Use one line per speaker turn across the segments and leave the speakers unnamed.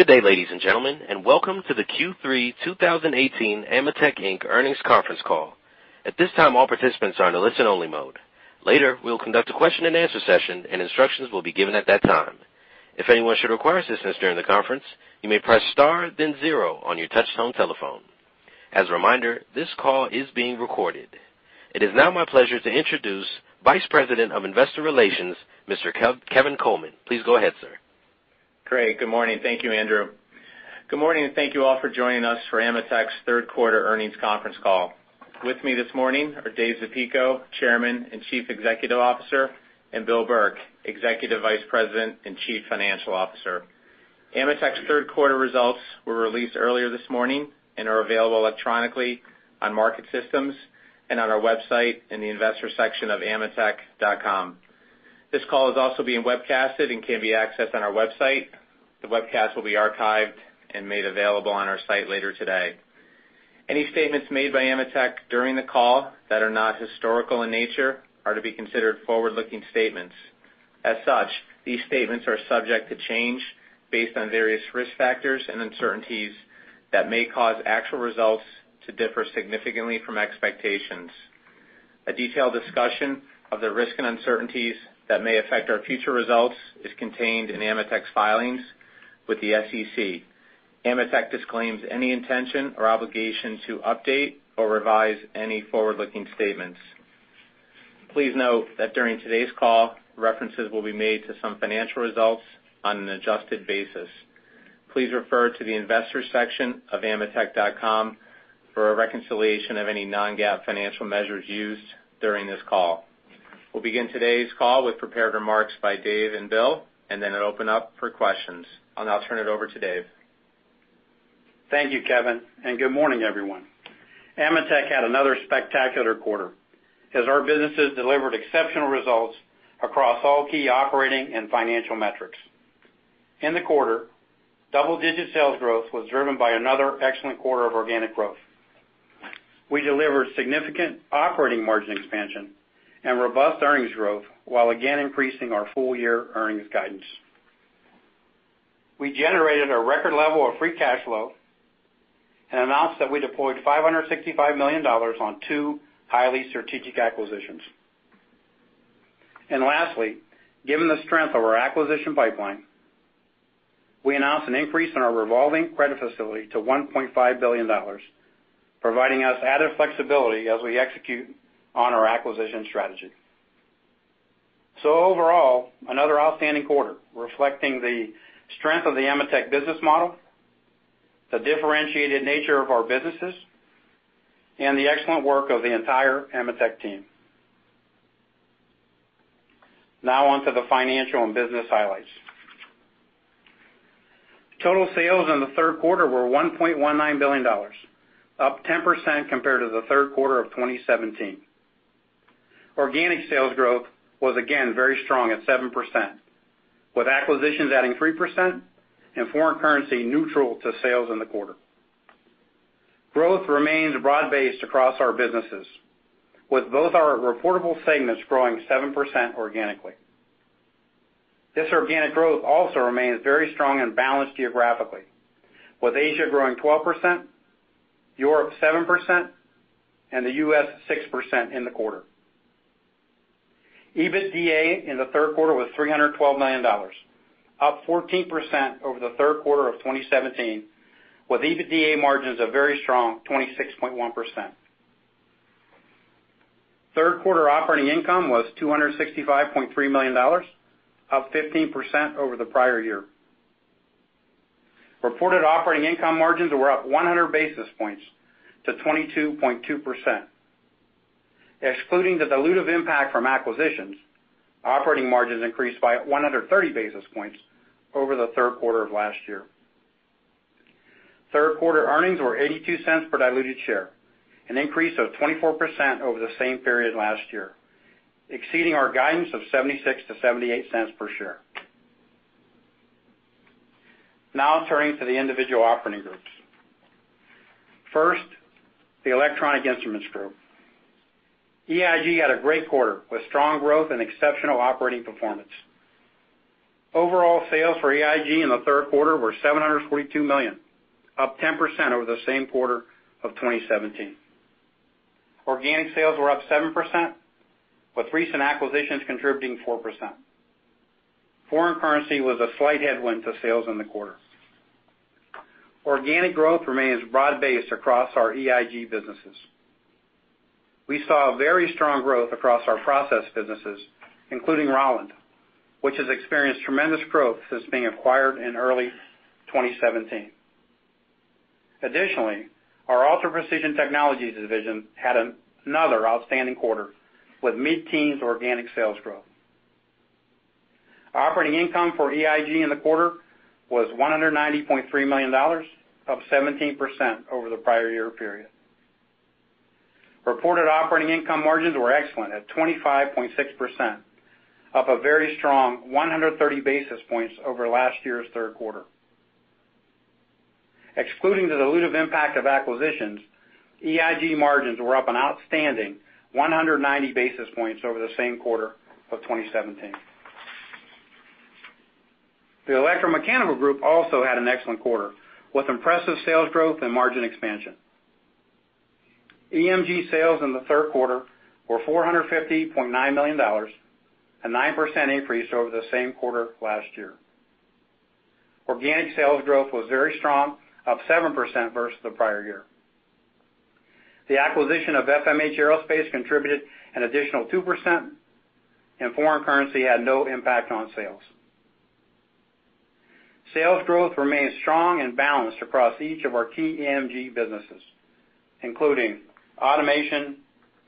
Good day, ladies and gentlemen, and welcome to the Q3 2018 AMETEK, Inc. earnings conference call. At this time, all participants are in a listen only mode. Later, we will conduct a question and answer session and instructions will be given at that time. If anyone should require assistance during the conference, you may press star then zero on your touchtone telephone. As a reminder, this call is being recorded. It is now my pleasure to introduce Vice President of Investor Relations, Mr. Kevin Coleman. Please go ahead, sir.
Great. Good morning. Thank you, Andrew. Good morning, and thank you all for joining us for AMETEK's third quarter earnings conference call. With me this morning are Dave Zapico, Chairman and Chief Executive Officer, and Bill Burke, Executive Vice President and Chief Financial Officer. AMETEK's third quarter results were released earlier this morning and are available electronically on market systems and on our website in the investor section of ametek.com. This call is also being webcasted and can be accessed on our website. The webcast will be archived and made available on our site later today. Any statements made by AMETEK during the call that are not historical in nature are to be considered forward-looking statements. As such, these statements are subject to change based on various risk factors and uncertainties that may cause actual results to differ significantly from expectations. A detailed discussion of the risk and uncertainties that may affect our future results is contained in AMETEK's filings with the SEC. AMETEK disclaims any intention or obligation to update or revise any forward-looking statements. Please note that during today's call, references will be made to some financial results on an adjusted basis. Please refer to the investor section of ametek.com for a reconciliation of any non-GAAP financial measures used during this call. We'll begin today's call with prepared remarks by Dave and Bill, and then open up for questions. I'll now turn it over to Dave.
Thank you, Kevin. Good morning, everyone. AMETEK had another spectacular quarter as our businesses delivered exceptional results across all key operating and financial metrics. In the quarter, double-digit sales growth was driven by another excellent quarter of organic growth. We delivered significant operating margin expansion and robust earnings growth while again increasing our full year earnings guidance. We generated a record level of free cash flow and announced that we deployed $565 million on two highly strategic acquisitions. Lastly, given the strength of our acquisition pipeline, we announced an increase in our revolving credit facility to $1.5 billion, providing us added flexibility as we execute on our acquisition strategy. Overall, another outstanding quarter reflecting the strength of the AMETEK business model, the differentiated nature of our businesses, and the excellent work of the entire AMETEK team. Now on to the financial and business highlights. Total sales in the third quarter were $1.19 billion, up 10% compared to the third quarter of 2017. Organic sales growth was again very strong at 7%, with acquisitions adding 3% and foreign currency neutral to sales in the quarter. Growth remains broad-based across our businesses, with both our reportable segments growing 7% organically. This organic growth also remains very strong and balanced geographically, with Asia growing 12%, Europe 7%, and the U.S. 6% in the quarter. EBITDA in the third quarter was $312 million, up 14% over the third quarter of 2017, with EBITDA margins a very strong 26.1%. Third quarter operating income was $265.3 million, up 15% over the prior year. Reported operating income margins were up 100 basis points to 22.2%. Excluding the dilutive impact from acquisitions, operating margins increased by 130 basis points over the third quarter of last year.
Third quarter earnings were $0.82 per diluted share, an increase of 24% over the same period last year, exceeding our guidance of $0.76-$0.78 per share. Turning to the individual operating groups. First, the Electronic Instruments Group. EIG had a great quarter with strong growth and exceptional operating performance. Overall sales for EIG in the third quarter were $742 million, up 10% over the same quarter of 2017. Organic sales were up 7%, with recent acquisitions contributing 4%. Foreign currency was a slight headwind to sales in the quarter. Organic growth remains broad-based across our EIG businesses. We saw very strong growth across our process businesses, including Rauland, which has experienced tremendous growth since being acquired in early 2017. Our Ultra Precision Technologies division had another outstanding quarter with mid-teens organic sales growth. Operating income for EIG in the quarter was $190.3 million, up 17% over the prior year period. Reported operating income margins were excellent at 25.6%, up a very strong 130 basis points over last year's third quarter.
Excluding the dilutive impact of acquisitions, EIG margins were up an outstanding 190 basis points over the same quarter of 2017. The Electromechanical Group also had an excellent quarter, with impressive sales growth and margin expansion. EMG sales in the third quarter were $450.9 million, a 9% increase over the same quarter last year. Organic sales growth was very strong, up 7% versus the prior year. The acquisition of FMH Aerospace contributed an additional 2%, and foreign currency had no impact on sales. Sales growth remains strong and balanced across each of our key EMG businesses, including automation,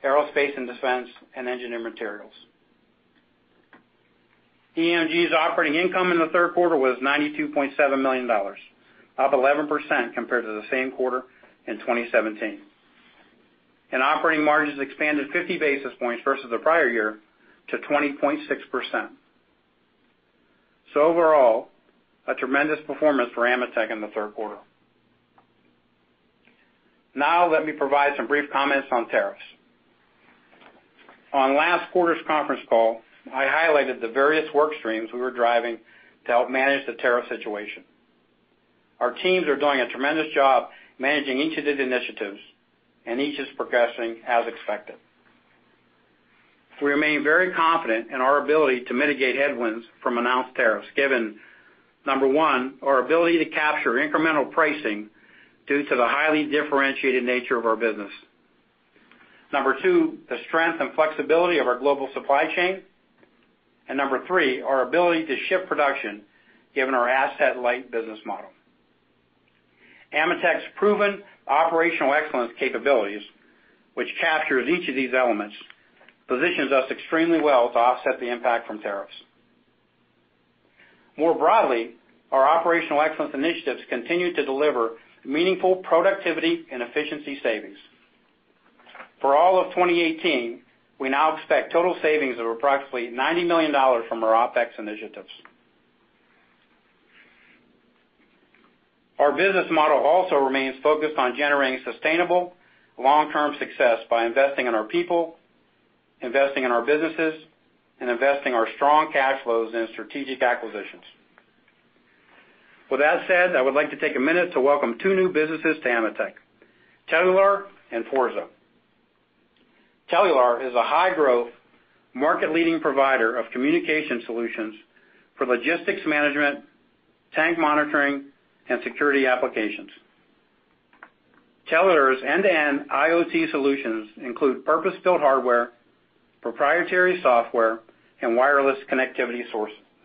aerospace and defense, and engineered materials. EMG's operating income in the third quarter was $92.7 million, up 11% compared to the same quarter in 2017. Operating margins expanded 50 basis points versus the prior year to 20.6%. Overall, a tremendous performance for AMETEK in the third quarter. Now let me provide some brief comments on tariffs. On last quarter's conference call, I highlighted the various work streams we were driving to help manage the tariff situation. Our teams are doing a tremendous job managing each of these initiatives, and each is progressing as expected. We remain very confident in our ability to mitigate headwinds from announced tariffs, given, number one, our ability to capture incremental pricing due to the highly differentiated nature of our business. Number two, the strength and flexibility of our global supply chain. Number three, our ability to ship production given our asset-light business model. AMETEK's proven operational excellence capabilities, which captures each of these elements, positions us extremely well to offset the impact from tariffs. More broadly, our operational excellence initiatives continue to deliver meaningful productivity and efficiency savings. For all of 2018, we now expect total savings of approximately $90 million from our OpEx initiatives. Our business model also remains focused on generating sustainable long-term success by investing in our people, investing in our businesses, and investing our strong cash flows in strategic acquisitions. With that said, I would like to take a minute to welcome two new businesses to AMETEK, Telular and Forza. Telular is a high-growth, market-leading provider of communication solutions for logistics management, tank monitoring, and security applications. Telular's end-to-end IoT solutions include purpose-built hardware, proprietary software, and wireless connectivity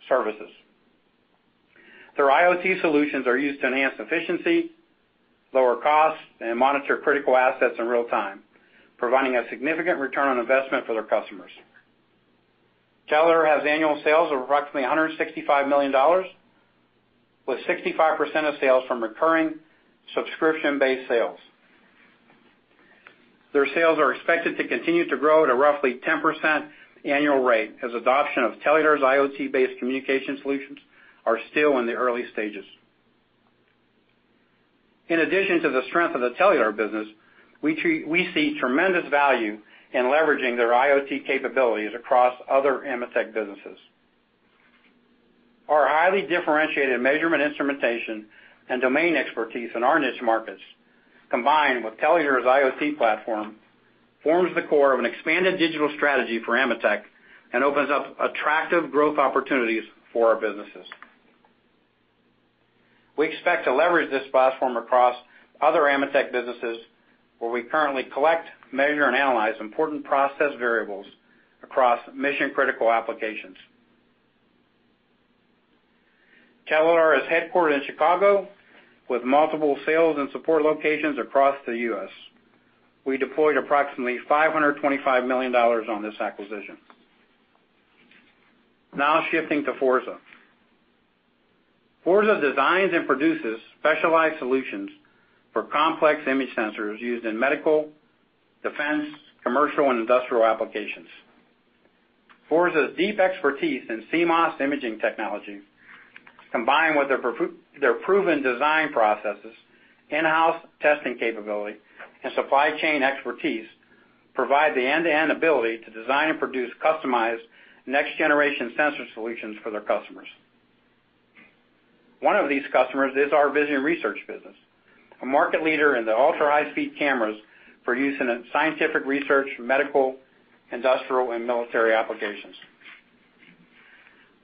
services. Their IoT solutions are used to enhance efficiency, lower costs, and monitor critical assets in real time, providing a significant return on investment for their customers. Telular has annual sales of approximately $165 million, with 65% of sales from recurring subscription-based sales. Their sales are expected to continue to grow at a roughly 10% annual rate as adoption of Telular's IoT-based communication solutions are still in the early stages. In addition to the strength of the Telular business, we see tremendous value in leveraging their IoT capabilities across other AMETEK businesses. Our highly differentiated measurement instrumentation and domain expertise in our niche markets, combined with Telular's IoT platform, forms the core of an expanded digital strategy for AMETEK and opens up attractive growth opportunities for our businesses. We expect to leverage this platform across other AMETEK businesses where we currently collect, measure, and analyze important process variables across mission-critical applications. Telular is headquartered in Chicago with multiple sales and support locations across the U.S. We deployed approximately $525 million on this acquisition. Now shifting to Forza. Forza designs and produces specialized solutions for complex image sensors used in medical, defense, commercial, and industrial applications. Forza's deep expertise in CMOS imaging technology, combined with their proven design processes, in-house testing capability, and supply chain expertise, provide the end-to-end ability to design and produce customized next-generation sensor solutions for their customers. One of these customers is our Vision Research business, a market leader in the ultra-high-speed cameras for use in scientific research, medical, industrial, and military applications.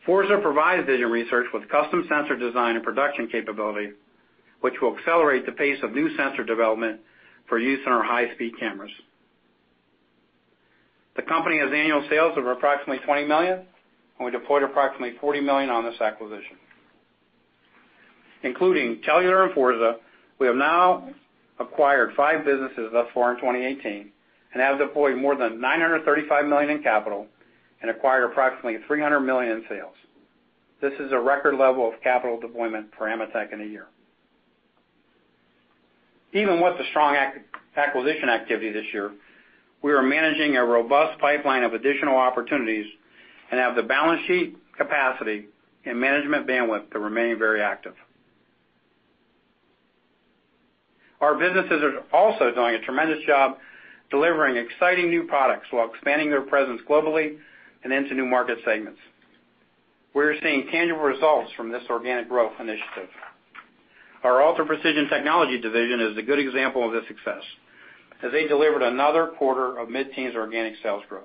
Forza provides Vision Research with custom sensor design and production capability, which will accelerate the pace of new sensor development for use in our high-speed cameras. The company has annual sales of approximately $20 million, and we deployed approximately $40 million on this acquisition. Including Telular and Forza, we have now acquired five businesses thus far in 2018 and have deployed more than $935 million in capital and acquired approximately $300 million in sales. This is a record level of capital deployment for AMETEK in a year. Even with the strong acquisition activity this year, we are managing a robust pipeline of additional opportunities and have the balance sheet capacity and management bandwidth to remain very active. Our businesses are also doing a tremendous job delivering exciting new products while expanding their presence globally and into new market segments. We're seeing tangible results from this organic growth initiative. Our Ultra Precision Technologies division is a good example of this success, as they delivered another quarter of mid-teens organic sales growth.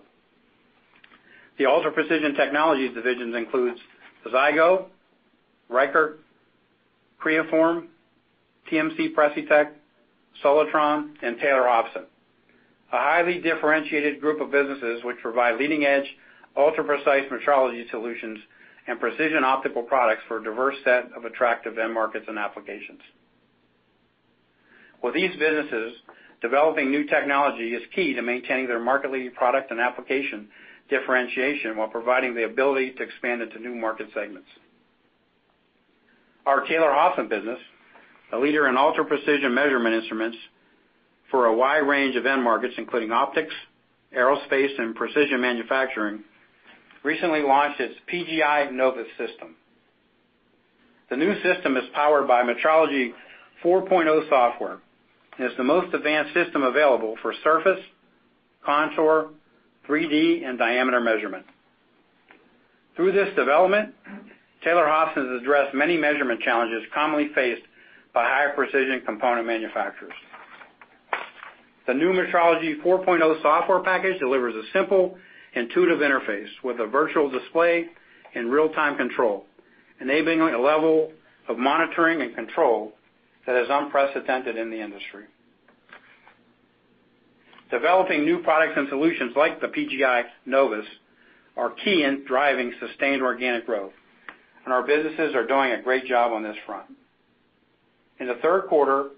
The Ultra Precision Technologies division includes Zygo, Reichert, Creaform, TMC, Precitech, Solartron, and Taylor Hobson. A highly differentiated group of businesses which provide leading-edge, ultra-precise metrology solutions and precision optical products for a diverse set of attractive end markets and applications. For these businesses, developing new technology is key to maintaining their market-leading product and application differentiation while providing the ability to expand into new market segments. Our Taylor Hobson business, a leader in ultra-precision measurement instruments for a wide range of end markets, including optics, aerospace, and precision manufacturing, recently launched its PGI NOVUS system. The new system is powered by Metrology 4.0 software and is the most advanced system available for surface, contour, 3D, and diameter measurement. Through this development, Taylor Hobson has addressed many measurement challenges commonly faced by high-precision component manufacturers. The new Metrology 4.0 software package delivers a simple, intuitive interface with a virtual display and real-time control, enabling a level of monitoring and control that is unprecedented in the industry. Developing new products and solutions like the PGI NOVUS are key in driving sustained organic growth, and our businesses are doing a great job on this front. In the third quarter,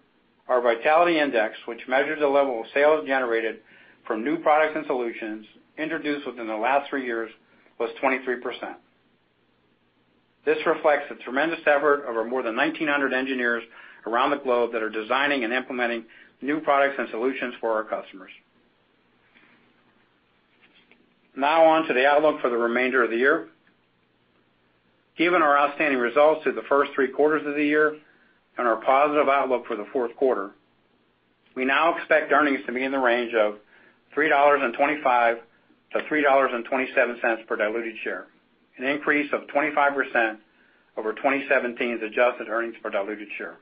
our vitality index, which measures the level of sales generated from new products and solutions introduced within the last three years, was 23%. This reflects the tremendous effort of our more than 1,900 engineers around the globe that are designing and implementing new products and solutions for our customers. Now on to the outlook for the remainder of the year. Given our outstanding results through the first three quarters of the year and our positive outlook for the fourth quarter, we now expect earnings to be in the range of $3.25-$3.27 per diluted share, an increase of 25% over 2017's adjusted earnings per diluted share.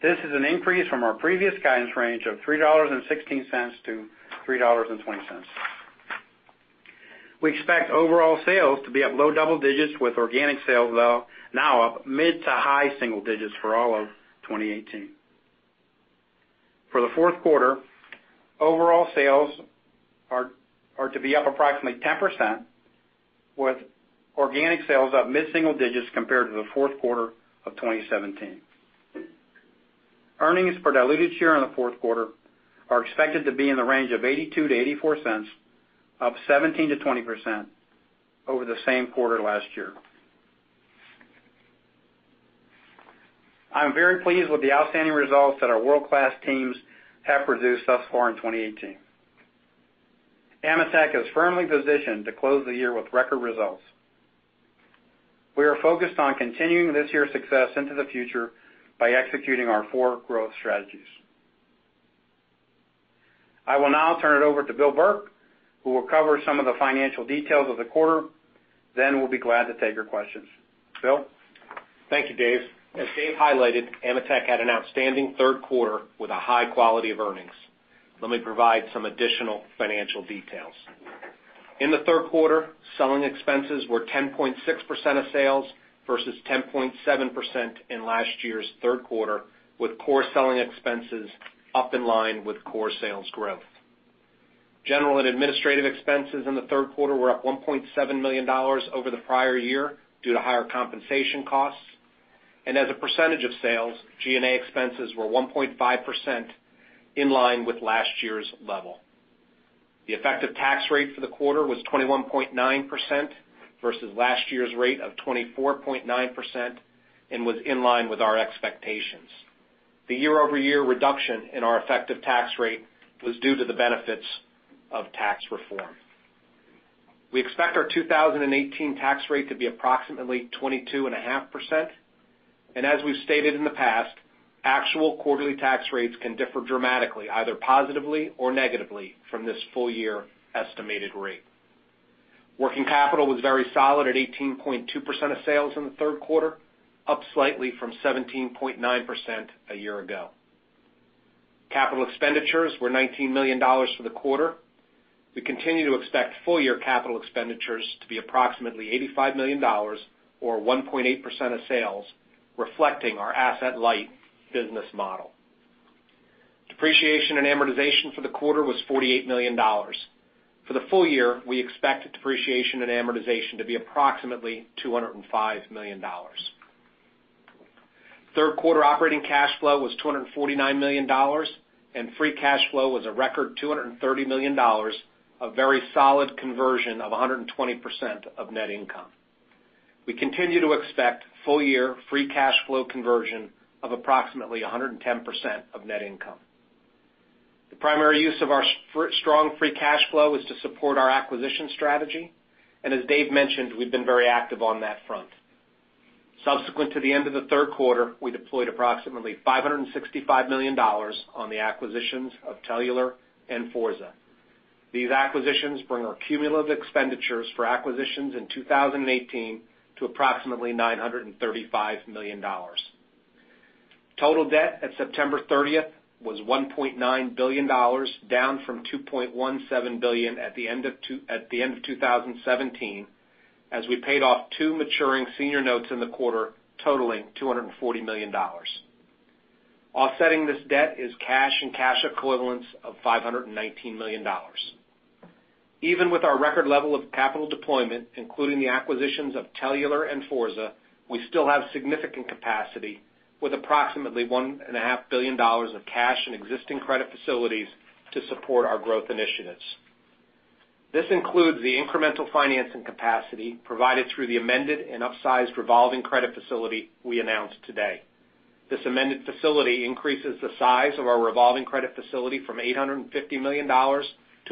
This is an increase from our previous guidance range of $3.16-$3.20. We expect overall sales to be up low double digits with organic sales now up mid to high single digits for all of 2018. For the fourth quarter, overall sales are to be up approximately 10%, with organic sales up mid-single digits compared to the fourth quarter of 2017. Earnings per diluted share in the fourth quarter are expected to be in the range of $0.82-$0.84, up 17%-20% over the same quarter last year. I'm very pleased with the outstanding results that our world-class teams have produced thus far in 2018. AMETEK is firmly positioned to close the year with record results. We are focused on continuing this year's success into the future by executing our four growth strategies. I will now turn it over to Bill Burke, who will cover some of the financial details of the quarter. We'll be glad to take your questions. Bill?
Thank you, Dave. As Dave highlighted, AMETEK had an outstanding third quarter with a high quality of earnings. Let me provide some additional financial details. In the third quarter, selling expenses were 10.6% of sales versus 10.7% in last year's third quarter, with core selling expenses up in line with core sales growth. General and administrative expenses in the third quarter were up $1.7 million over the prior year due to higher compensation costs. As a percentage of sales, G&A expenses were 1.5% in line with last year's level. The effective tax rate for the quarter was 21.9% versus last year's rate of 24.9% and was in line with our expectations. The year-over-year reduction in our effective tax rate was due to the benefits of tax reform. We expect our 2018 tax rate to be approximately 22.5%. As we've stated in the past, actual quarterly tax rates can differ dramatically, either positively or negatively, from this full-year estimated rate. Working capital was very solid at 18.2% of sales in the third quarter, up slightly from 17.9% a year ago. Capital expenditures were $19 million for the quarter. We continue to expect full-year capital expenditures to be approximately $85 million, or 1.8% of sales, reflecting our asset-light business model. Depreciation and amortization for the quarter was $48 million. For the full year, we expect depreciation and amortization to be approximately $205 million. Third quarter operating cash flow was $249 million, and free cash flow was a record $230 million, a very solid conversion of 120% of net income. We continue to expect full-year free cash flow conversion of approximately 110% of net income. The primary use of our strong free cash flow is to support our acquisition strategy. As Dave mentioned, we've been very active on that front. Subsequent to the end of the third quarter, we deployed approximately $565 million on the acquisitions of Telular and Forza. These acquisitions bring our cumulative expenditures for acquisitions in 2018 to approximately $935 million. Total debt at September 30th was $1.9 billion, down from $2.17 billion at the end of 2017, as we paid off two maturing senior notes in the quarter totaling $240 million. Offsetting this debt is cash and cash equivalents of $519 million. Even with our record level of capital deployment, including the acquisitions of Telular and Forza, we still have significant capacity with approximately $1.5 billion of cash in existing credit facilities to support our growth initiatives. This includes the incremental financing capacity provided through the amended and upsized revolving credit facility we announced today. This amended facility increases the size of our revolving credit facility from $850 million to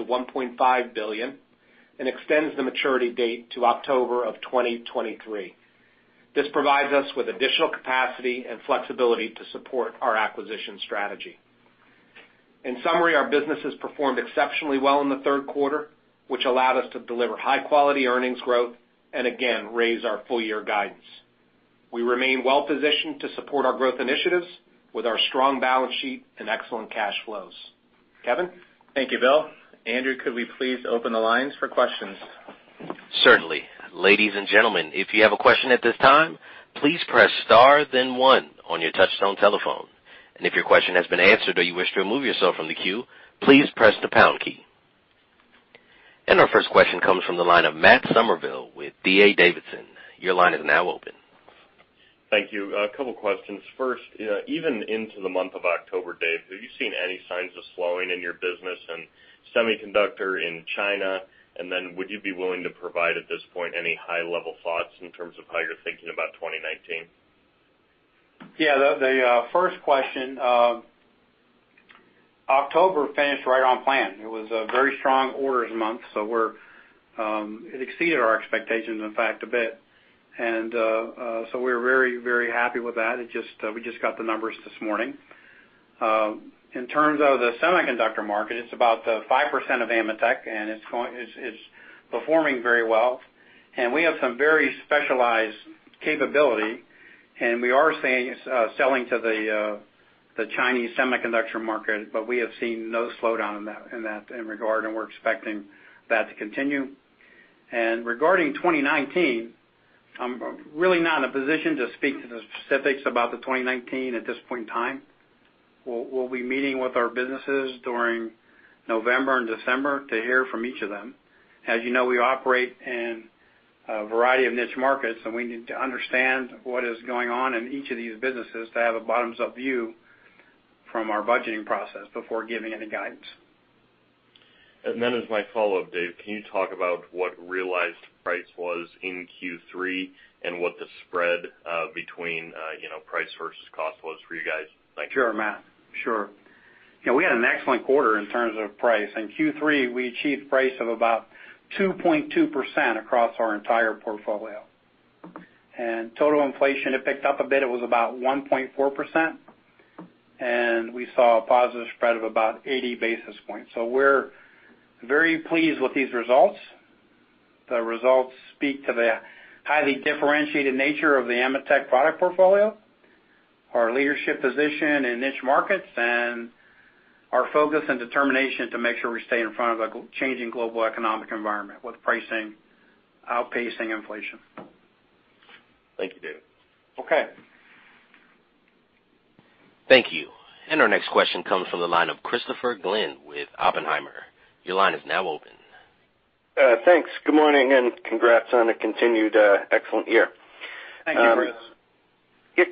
$1.5 billion and extends the maturity date to October of 2023. This provides us with additional capacity and flexibility to support our acquisition strategy. In summary, our businesses performed exceptionally well in the third quarter, which allowed us to deliver high-quality earnings growth and again raise our full-year guidance. We remain well-positioned to support our growth initiatives with our strong balance sheet and excellent cash flows. Kevin?
Thank you, Bill. Andrew, could we please open the lines for questions?
Certainly. Ladies and gentlemen, if you have a question at this time, please press star then one on your touchtone telephone. If your question has been answered or you wish to remove yourself from the queue, please press the pound key. Our first question comes from the line of Matt Summerville with D.A. Davidson. Your line is now open.
Thank you. A couple questions. First, even into the month of October, Dave, have you seen any signs of slowing in your business and semiconductor in China? Would you be willing to provide at this point any high-level thoughts in terms of how you're thinking about 2019?
Yeah, the first question, October finished right on plan. It was a very strong orders month, it exceeded our expectations, in fact, a bit. We're very happy with that. We just got the numbers this morning. In terms of the semiconductor market, it's about 5% of AMETEK, it's performing very well. We have some very specialized capability, and we are selling to the Chinese semiconductor market. We have seen no slowdown in that in regard, and we're expecting that to continue. Regarding 2019, I'm really not in a position to speak to the specifics about the 2019 at this point in time. We'll be meeting with our businesses during November and December to hear from each of them. As you know, we operate in a variety of niche markets, and we need to understand what is going on in each of these businesses to have a bottoms-up view from our budgeting process before giving any guidance.
As my follow-up, Dave, can you talk about what realized price was in Q3 and what the spread between price versus cost was for you guys? Thank you.
Sure, Matt. Sure. We had an excellent quarter in terms of price. In Q3, we achieved price of about 2.2% across our entire portfolio. Total inflation, it picked up a bit. It was about 1.4%, and we saw a positive spread of about 80 basis points. We're very pleased with these results. The results speak to the highly differentiated nature of the AMETEK product portfolio, our leadership position in niche markets, and our focus and determination to make sure we stay in front of a changing global economic environment with pricing outpacing inflation.
Thank you, Dave.
Okay.
Thank you. Our next question comes from the line of Christopher Glynn with Oppenheimer. Your line is now open.
Thanks. Good morning, and congrats on a continued excellent year.
Thank you, Chris.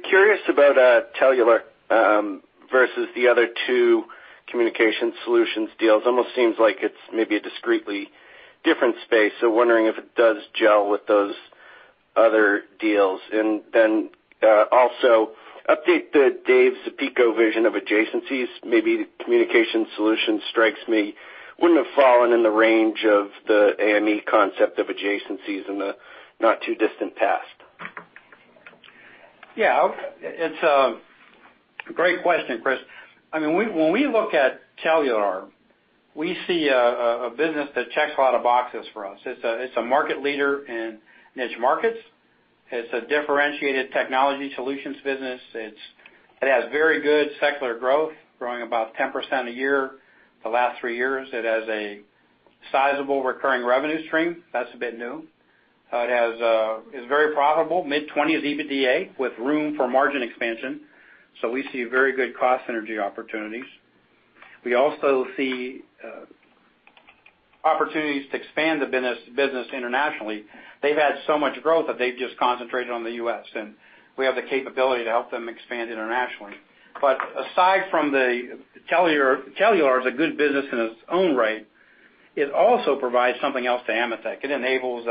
Curious about Telular versus the other two communication solutions deals. Almost seems like it's maybe a discreetly different space, so wondering if it does gel with those other deals. Also update Dave Zapico vision of adjacencies. Maybe communication solutions strikes me wouldn't have fallen in the range of the AMETEK concept of adjacencies in the not-too-distant past.
It's a great question, Chris. When we look at Telular, we see a business that checks a lot of boxes for us. It's a market leader in niche markets. It's a differentiated technology solutions business. It has very good secular growth, growing about 10% a year the last three years. It has a sizable recurring revenue stream. That's a bit new. It's very profitable, mid-20s EBITDA, with room for margin expansion. We see very good cost synergy opportunities. We also see opportunities to expand the business internationally. They've had so much growth that they've just concentrated on the U.S., and we have the capability to help them expand internationally. Aside from the Telular is a good business in its own right It also provides something else to AMETEK. It enables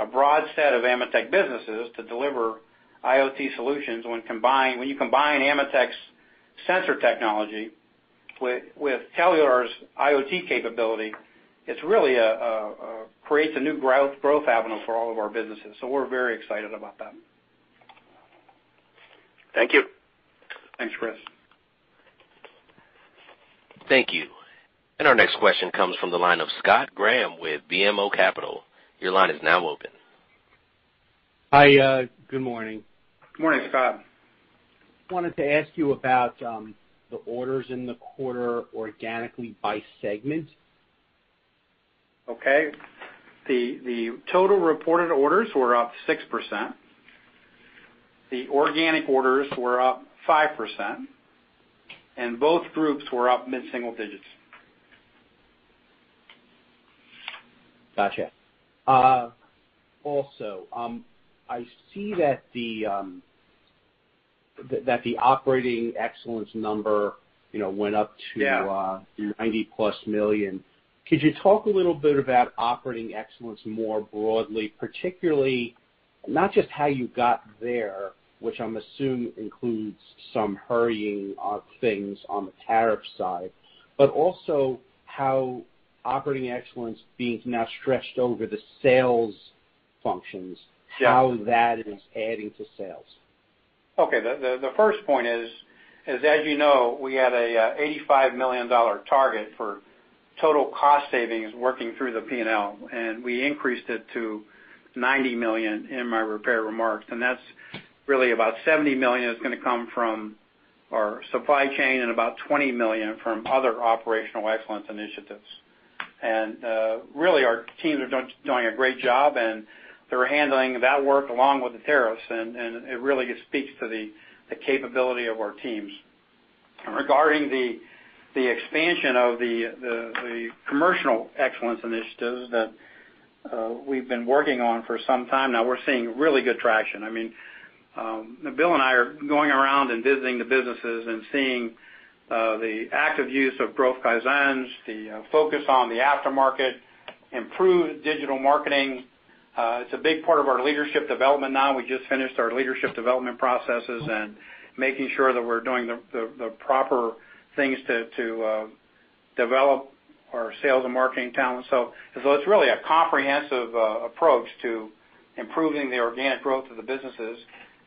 a broad set of AMETEK businesses to deliver IoT solutions when you combine AMETEK's sensor technology with Telular's IoT capability, it really creates a new growth avenue for all of our businesses. We're very excited about that.
Thank you.
Thanks, Chris.
Thank you. Our next question comes from the line of Scott Graham with BMO Capital. Your line is now open.
Hi, good morning.
Good morning, Scott.
Wanted to ask you about the orders in the quarter organically by segment.
Okay. The total reported orders were up 6%. The organic orders were up 5%. Both groups were up mid-single digits.
Gotcha. I see that the operating excellence number went up to-
Yeah
$90-plus million. Could you talk a little bit about operating excellence more broadly, particularly not just how you got there, which I'm assuming includes some hurrying of things on the tariff side, but also how operating excellence being now stretched over the sales functions-
Yeah.
How that is adding to sales?
The first point is, as you know, we had a $85 million target for total cost savings working through the P&L, and we increased it to $90 million in my prepared remarks. That's really about $70 million is going to come from our supply chain and about $20 million from other operational excellence initiatives. Really our teams are doing a great job, and they're handling that work along with the tariffs, and it really just speaks to the capability of our teams. Regarding the expansion of the commercial excellence initiatives that we've been working on for some time now, we're seeing really good traction. Bill and I are going around and visiting the businesses and seeing the active use of growth Kaizen, the focus on the aftermarket, improved digital marketing. It's a big part of our leadership development now. We just finished our leadership development processes and making sure that we're doing the proper things to develop our sales and marketing talent. It's really a comprehensive approach to improving the organic growth of the businesses.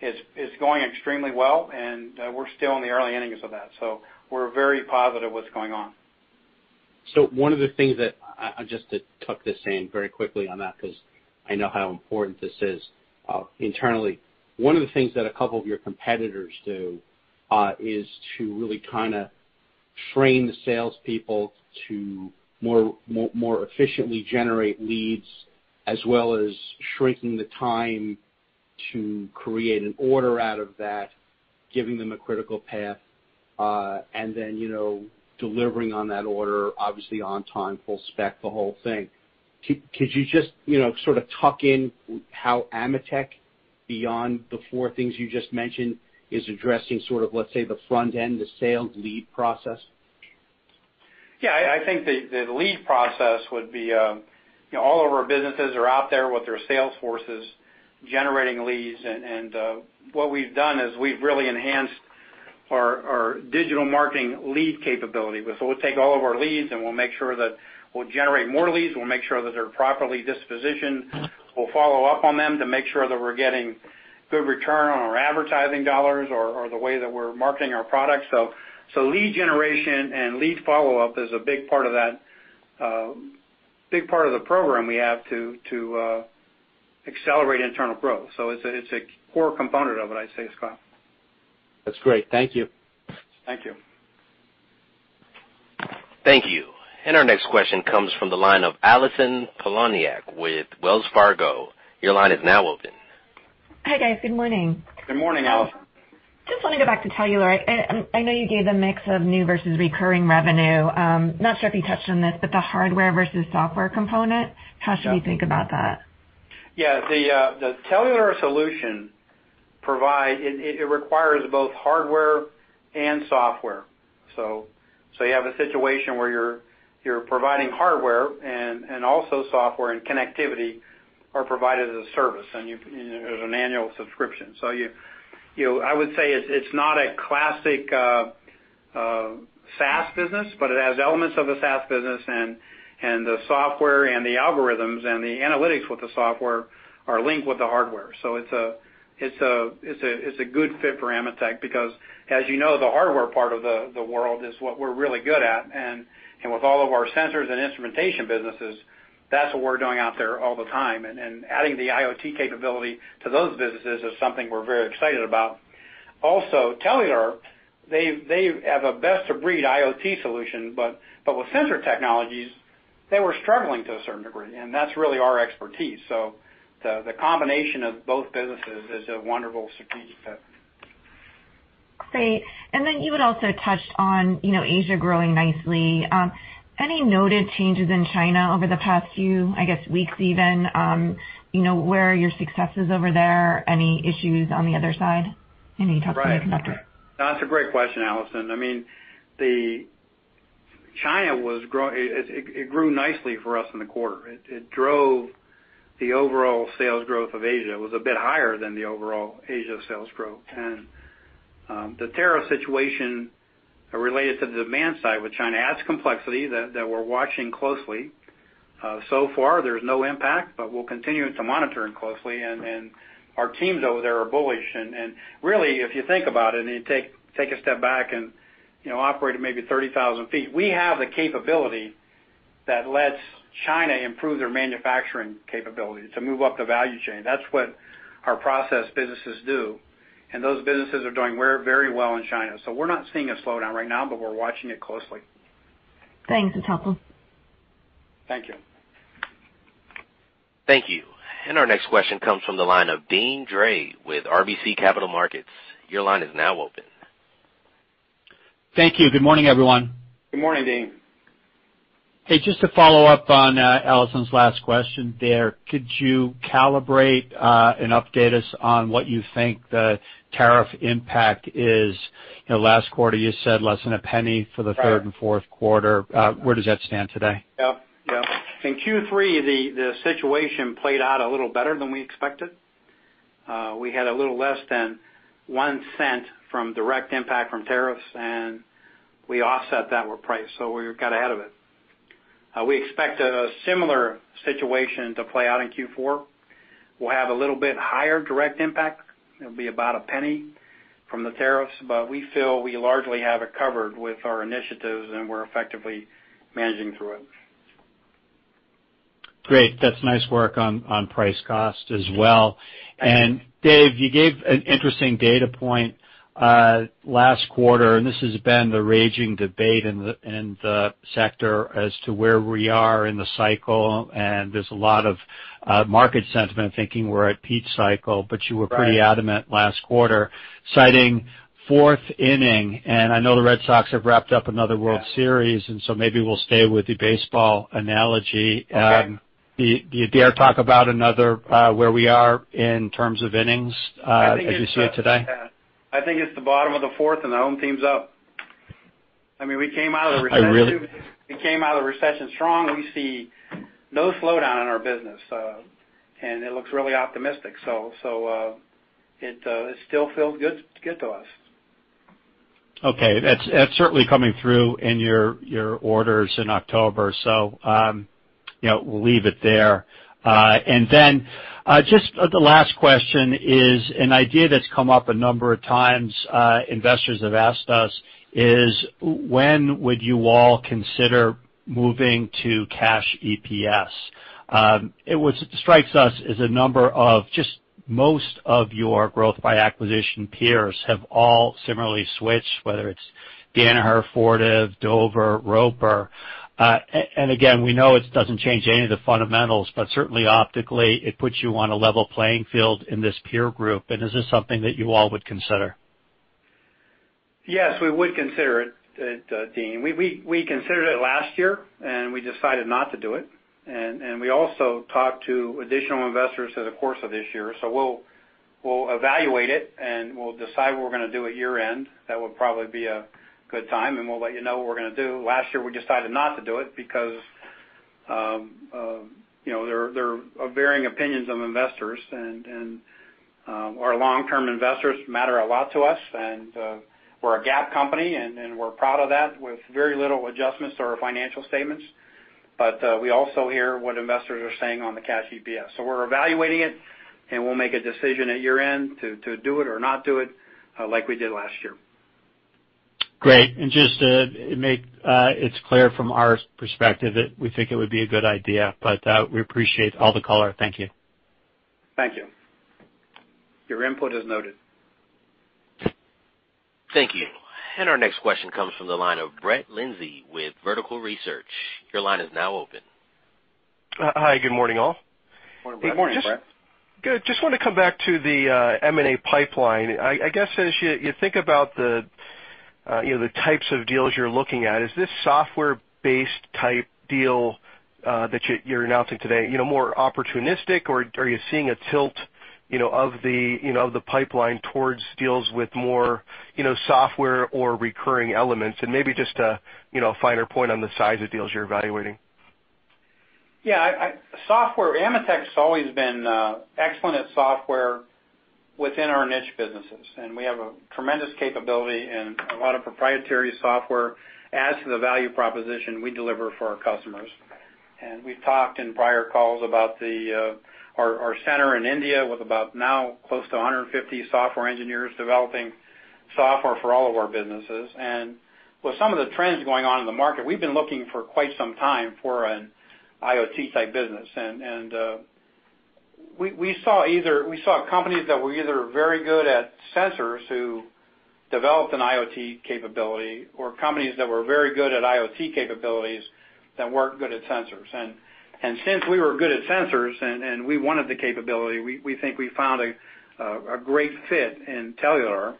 It's going extremely well, and we're still in the early innings of that, so we're very positive what's going on.
One of the things that, just to tuck this in very quickly on that, because I know how important this is internally. One of the things that a couple of your competitors do is to really kind of train the salespeople to more efficiently generate leads as well as shrinking the time to create an order out of that, giving them a critical path, and then delivering on that order, obviously on time, full spec, the whole thing. Could you just sort of tuck in how AMETEK, beyond the four things you just mentioned, is addressing sort of, let's say, the front end, the sales lead process?
Yeah, I think the lead process would be all of our businesses are out there with their sales forces generating leads. What we've done is we've really enhanced our digital marketing lead capability. We'll take all of our leads, and we'll make sure that we'll generate more leads. We'll make sure that they're properly dispositioned. We'll follow up on them to make sure that we're getting good return on our advertising dollars or the way that we're marketing our products. Lead generation and lead follow-up is a big part of the program we have to accelerate internal growth. It's a core component of it, I'd say, Scott.
That's great. Thank you.
Thank you.
Thank you. Our next question comes from the line of Allison Poliniak with Wells Fargo. Your line is now open.
Hi, guys. Good morning.
Good morning, Allison.
Just let me go back to Telular. I know you gave the mix of new versus recurring revenue. I'm not sure if you touched on this, but the hardware versus software component.
Yeah
How should we think about that?
Yeah. The Telular solution requires both hardware and software. You have a situation where you're providing hardware and also software and connectivity are provided as a service, and there's an annual subscription. I would say it's not a classic SaaS business, but it has elements of a SaaS business, and the software and the algorithms and the analytics with the software are linked with the hardware. It's a good fit for AMETEK because, as you know, the hardware part of the world is what we're really good at. With all of our sensors and instrumentation businesses, that's what we're doing out there all the time. Adding the IoT capability to those businesses is something we're very excited about. Telular, they have a best-of-breed IoT solution, but with sensor technologies, they were struggling to a certain degree, and that's really our expertise. The combination of both businesses is a wonderful strategic fit.
Great. You had also touched on Asia growing nicely. Any noted changes in China over the past few, I guess, weeks even? Where are your successes over there? Any issues on the other side?
Right. That's a great question, Allison. China, it grew nicely for us in the quarter. It drove the overall sales growth of Asia. It was a bit higher than the overall Asia sales growth. The tariff situation related to the demand side with China adds complexity that we're watching closely. So far there's no impact, but we're continuing to monitor it closely and our teams over there are bullish. Really, if you think about it and you take a step back and operate at maybe 30,000 feet, we have the capability that lets China improve their manufacturing capability to move up the value chain. That's what our process businesses do. Those businesses are doing very well in China. We're not seeing a slowdown right now, but we're watching it closely.
Thanks. That's helpful.
Thank you.
Thank you. Our next question comes from the line of Deane Dray with RBC Capital Markets. Your line is now open.
Thank you. Good morning, everyone.
Good morning, Deane.
Hey, just to follow up on Allison's last question there, could you calibrate and update us on what you think the tariff impact is? Last quarter you said less than $0.01 for the third and fourth quarter. Where does that stand today?
Yep. In Q3, the situation played out a little better than we expected. We had a little less than $0.01 from direct impact from tariffs. We offset that with price, so we got ahead of it. We expect a similar situation to play out in Q4. We'll have a little bit higher direct impact. It'll be about $0.01 from the tariffs, but we feel we largely have it covered with our initiatives, and we're effectively managing through it.
Great. That's nice work on price cost as well.
Thank you.
Dave, you gave an interesting data point last quarter, and this has been the raging debate in the sector as to where we are in the cycle, and there's a lot of market sentiment thinking we're at peak cycle.
Right.
You were pretty adamant last quarter, citing fourth inning, and I know the Red Sox have wrapped up another World Series, and so maybe we'll stay with the baseball analogy.
Okay.
Do you dare talk about where we are in terms of innings as you see it today?
I think it's the bottom of the fourth and the home team's up. We came out of the recession strong. We see no slowdown in our business. It looks really optimistic. It still feels good to us.
Okay. That's certainly coming through in your orders in October, so we'll leave it there. Just the last question is an idea that's come up a number of times, investors have asked us is, when would you all consider moving to cash EPS? It strikes us as a number of just most of your growth by acquisition peers have all similarly switched, whether it's Danaher, Fortive, Dover, Roper. We know it doesn't change any of the fundamentals, but certainly optically, it puts you on a level playing field in this peer group, and is this something that you all would consider?
Yes, we would consider it, Deane. We considered it last year, and we decided not to do it. We also talked to additional investors through the course of this year. We'll evaluate it, and we'll decide what we're going to do at year-end. That would probably be a good time, and we'll let you know what we're going to do. Last year, we decided not to do it because there are varying opinions of investors, and our long-term investors matter a lot to us. We're a GAAP company, and we're proud of that, with very little adjustments to our financial statements. We also hear what investors are saying on the cash EPS. We're evaluating it, and we'll make a decision at year-end to do it or not do it, like we did last year.
Great. Just to make it clear from our perspective that we think it would be a good idea, but we appreciate all the color. Thank you.
Thank you. Your input is noted.
Thank you. Our next question comes from the line of Brett Linzey with Vertical Research. Your line is now open.
Hi, good morning, all.
Good morning, Brett.
Just want to come back to the M&A pipeline. I guess as you think about the types of deals you're looking at, is this software-based type deal that you're announcing today more opportunistic, or are you seeing a tilt of the pipeline towards deals with more software or recurring elements? Maybe just a finer point on the size of deals you're evaluating.
Yeah. AMETEK's always been excellent at software within our niche businesses, and we have a tremendous capability and a lot of proprietary software as to the value proposition we deliver for our customers. We've talked in prior calls about our center in India with about now close to 150 software engineers developing software for all of our businesses. With some of the trends going on in the market, we've been looking for quite some time for an IoT-type business. We saw companies that were either very good at sensors who developed an IoT capability, or companies that were very good at IoT capabilities that weren't good at sensors. Since we were good at sensors and we wanted the capability, we think we found a great fit in Telular.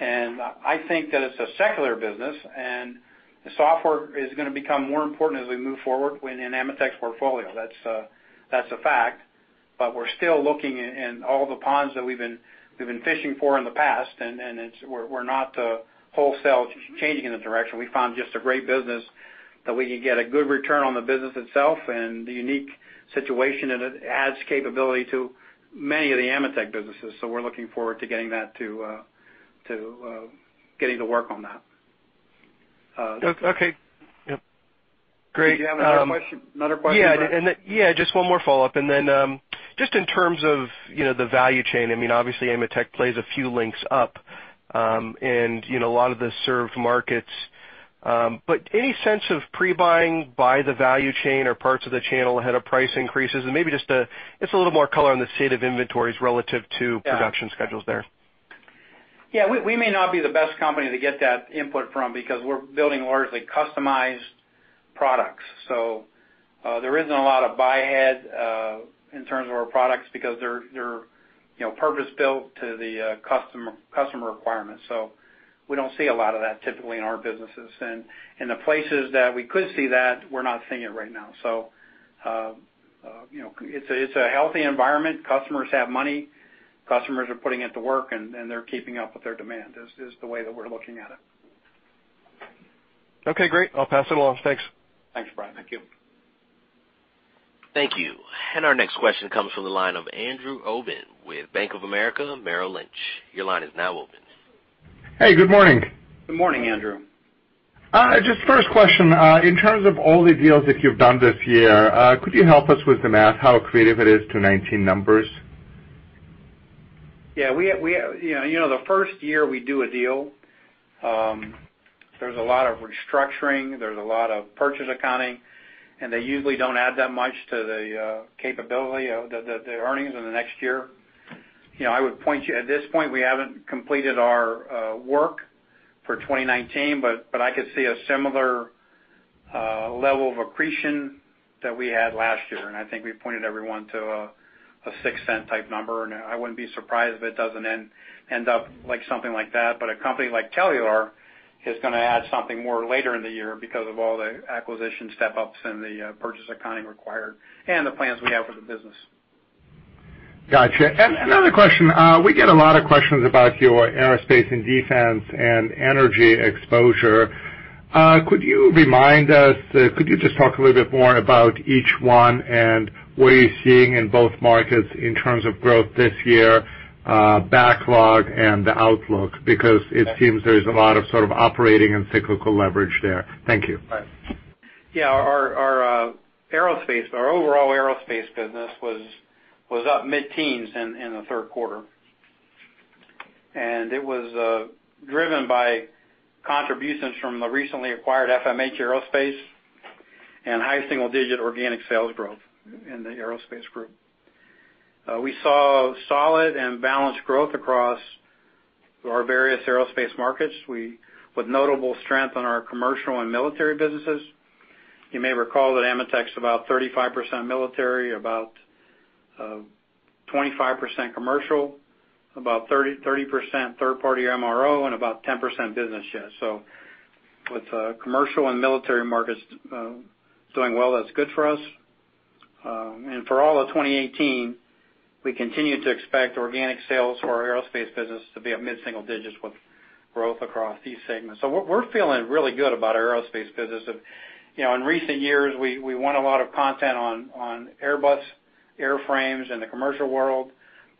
I think that it's a secular business, and the software is going to become more important as we move forward within AMETEK's portfolio. That's a fact. We're still looking in all the ponds that we've been fishing for in the past, and we're not wholesale changing the direction. We found just a great business that we can get a good return on the business itself and the unique situation, and it adds capability to many of the AMETEK businesses. We're looking forward to getting to work on that.
Okay. Yep. Great.
Did you have another question, Brett?
Yeah, just one more follow-up. Then just in terms of the value chain, obviously AMETEK plays a few links up. A lot of the served markets, but any sense of pre-buying by the value chain or parts of the channel ahead of price increases? Maybe just a little more color on the state of inventories relative to production schedules there.
Yeah. We may not be the best company to get that input from because we're building largely customized products. There isn't a lot of buy-ahead in terms of our products because they're purpose-built to the customer requirements. We don't see a lot of that typically in our businesses. The places that we could see that, we're not seeing it right now. It's a healthy environment. Customers have money. Customers are putting it to work, and they're keeping up with their demand, is the way that we're looking at it.
Okay, great. I'll pass it along. Thanks.
Thanks, Brett. Thank you.
Thank you. Our next question comes from the line of Andrew Obin with Bank of America Merrill Lynch. Your line is now open.
Hey, good morning.
Good morning, Andrew.
First question, in terms of all the deals that you've done this year, could you help us with the math, how accretive it is to 2019 numbers?
The first year we do a deal, there's a lot of restructuring, there's a lot of purchase accounting, and they usually don't add that much to the capability of the earnings in the next year. At this point, we haven't completed our work for 2019, but I could see a similar level of accretion that we had last year. I think we pointed everyone to a $0.06 type number, and I wouldn't be surprised if it doesn't end up something like that. A company like Telular is going to add something more later in the year because of all the acquisition step-ups and the purchase accounting required, and the plans we have for the business.
Got you. Another question. We get a lot of questions about your aerospace and defense and energy exposure. Could you just talk a little bit more about each one and what are you seeing in both markets in terms of growth this year, backlog, and the outlook? Because it seems there's a lot of sort of operating and cyclical leverage there. Thank you.
Our overall aerospace business was up mid-teens in the third quarter. It was driven by contributions from the recently acquired FMH Aerospace and high single-digit organic sales growth in the aerospace group. We saw solid and balanced growth across our various aerospace markets, with notable strength on our commercial and military businesses. You may recall that AMETEK's about 35% military, about 25% commercial, about 30% third-party MRO, and about 10% business jet. With commercial and military markets doing well, that's good for us. For all of 2018, we continue to expect organic sales for our aerospace business to be up mid-single digits with growth across these segments. We're feeling really good about our aerospace business. In recent years, we won a lot of content on Airbus airframes in the commercial world.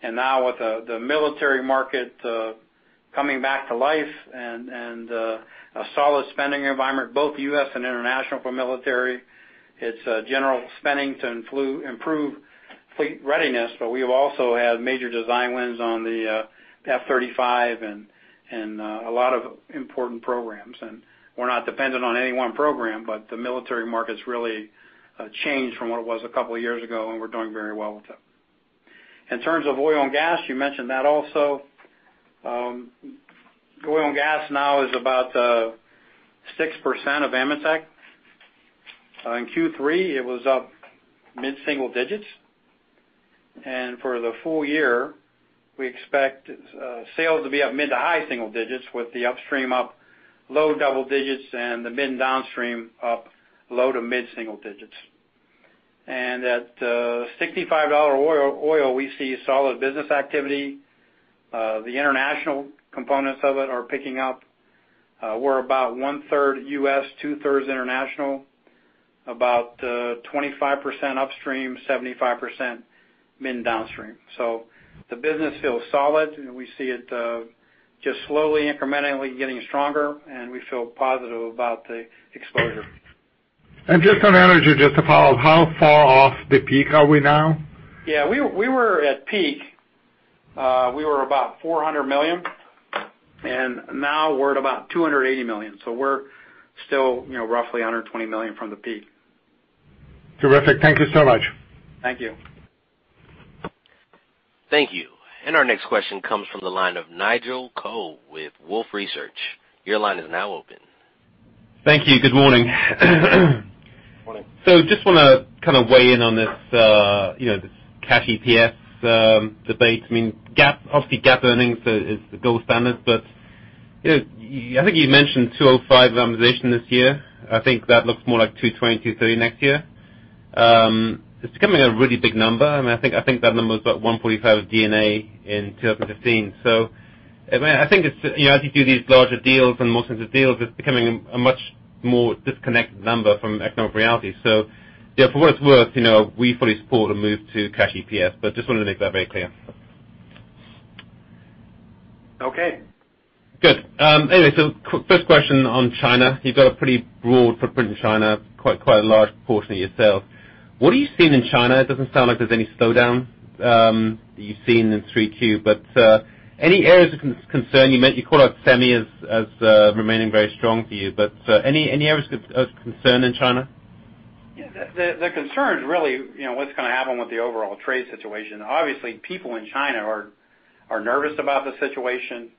Now with the military market coming back to life and a solid spending environment, both U.S. and international for military, it's general spending to improve fleet readiness. We've also had major design wins on the F-35 and a lot of important programs. We're not dependent on any one program, but the military market's really changed from what it was a couple of years ago, and we're doing very well with it. In terms of oil and gas, you mentioned that also. Oil and gas now is about 6% of AMETEK. In Q3, it was up mid-single digits. For the full year, we expect sales to be up mid to high single digits with the upstream up low double digits and the mid downstream up low to mid single digits. At $65 oil, we see solid business activity. The international components of it are picking up. We're about one-third U.S., two-thirds international. About 25% upstream, 75% mid downstream. The business feels solid, and we see it just slowly, incrementally getting stronger, and we feel positive about the exposure.
Just on energy, just to follow up, how far off the peak are we now?
We were at peak. We were about $400 million, now we're at about $280 million. We're still roughly $120 million from the peak.
Terrific. Thank you so much.
Thank you.
Thank you. Our next question comes from the line of Nigel Coe with Wolfe Research. Your line is now open
Thank you. Good morning.
Morning.
Just want to kind of weigh in on this cash EPS debate. Obviously, GAAP earnings is the gold standard, but I think you mentioned $205 amortization this year. I think that looks more like $220, $230 next year. It's becoming a really big number. I think that number is about $145 of D&A in 2015. I think as you do these larger deals and more sorts of deals, it's becoming a much more disconnected number from economic reality. For what it's worth, we fully support a move to cash EPS, but just wanted to make that very clear.
Okay.
Good. Anyway, first question on China. You've got a pretty broad footprint in China, quite a large portion of your sales. What are you seeing in China? It doesn't sound like there's any slowdown that you've seen in 3Q, but any areas of concern? You call out semi as remaining very strong for you, but any areas of concern in China?
Yeah. The concern is really what's going to happen with the overall trade situation. Obviously, people in China are nervous about the situation.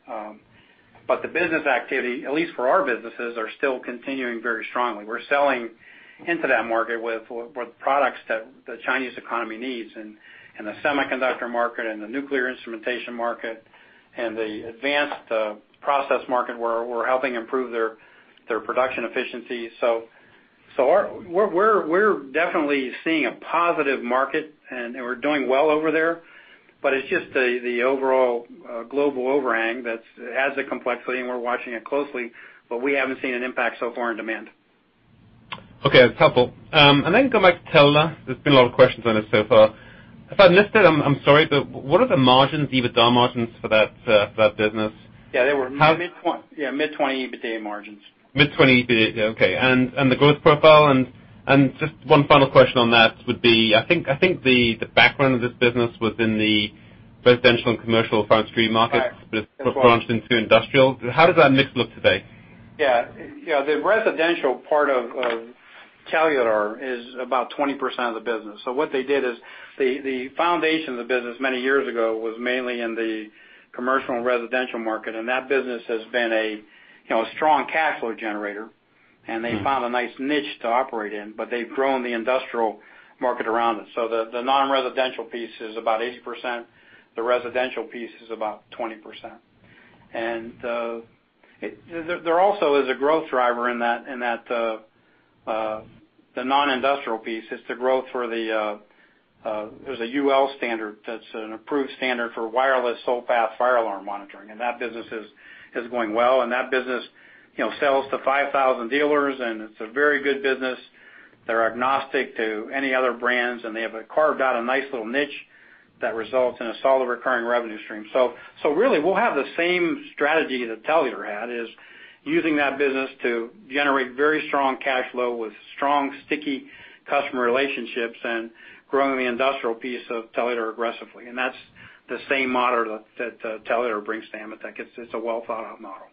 The business activity, at least for our businesses, are still continuing very strongly. We're selling into that market with products that the Chinese economy needs, in the semiconductor market, in the nuclear instrumentation market, and the advanced process market, where we're helping improve their production efficiency. We're definitely seeing a positive market, and we're doing well over there, but it's just the overall global overhang that adds a complexity, and we're watching it closely. We haven't seen an impact so far on demand.
Okay, that's helpful. Go back to Telular. There's been a lot of questions on this so far. If I missed it, I'm sorry, but what are the EBITDA margins for that business?
Yeah, they were mid-20 EBITDA margins.
Mid-20, okay. The growth profile and just one final question on that would be, I think the background of this business was in the residential and commercial fire and security markets-
Right
it's branched into industrial. How does that mix look today?
Yeah. The residential part of Telular is about 20% of the business. What they did is, the foundation of the business many years ago was mainly in the commercial and residential market, and that business has been a strong cash flow generator, and they found a nice niche to operate in. They've grown the industrial market around it. The non-residential piece is about 80%. The residential piece is about 20%. There also is a growth driver in the non-industrial piece. There's a UL standard that's an approved standard for wireless sole path fire alarm monitoring, and that business is going well. That business sells to 5,000 dealers, and it's a very good business. They're agnostic to any other brands, and they have carved out a nice little niche that results in a solid recurring revenue stream. Really, we'll have the same strategy that Telular had, is using that business to generate very strong cash flow with strong, sticky customer relationships and growing the industrial piece of Telular aggressively. That's the same model that Telular brings to AMETEK. It's a well-thought-out model.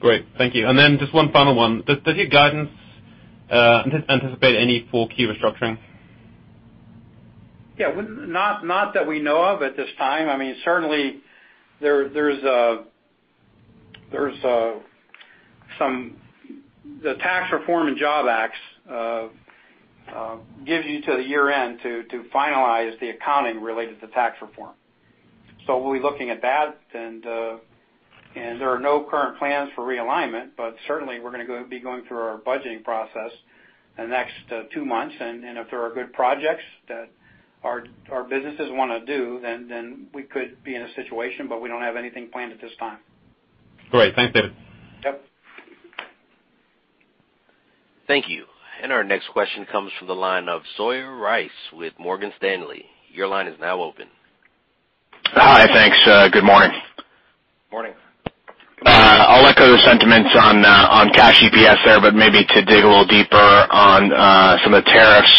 Great. Thank you. Then just one final one. Does your guidance anticipate any 4Q restructuring?
Not that we know of at this time. Certainly, there's the Tax Cuts and Jobs Act, gives you to the year-end to finalize the accounting related to tax reform. We'll be looking at that, and there are no current plans for realignment. Certainly, we're going to be going through our budgeting process in the next two months, and if there are good projects that our businesses want to do, then we could be in a situation, but we don't have anything planned at this time.
Great. Thanks, David.
Yep.
Thank you. Our next question comes from the line of Sawyer Rice with Morgan Stanley. Your line is now open.
Hi. Thanks. Good morning.
Morning.
I'll echo the sentiments on cash EPS there, maybe to dig a little deeper on some of the tariffs.